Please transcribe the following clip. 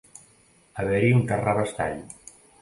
Haver-hi un terrabastall.